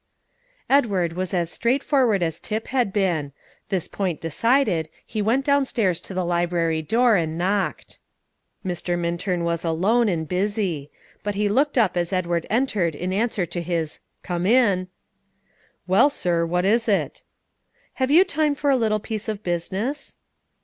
Edward was as straightforward as Tip had been; this point decided, he went down stairs to the library door, and knocked. Mr. Minturn was alone, and busy; but he looked up as Edward entered in answer to his "Come in." "Well, sir, what is it?" "Have you time for a little piece of business?"